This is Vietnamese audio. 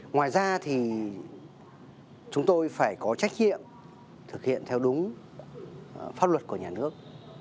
ngoài ra thì chúng tôi phải có trách nhiệm thực hiện theo đúng pháp luật của nhà nước